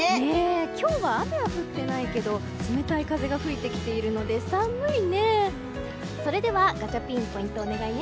今日は雨は降ってないけど冷たい風が吹いてきているので寒いね。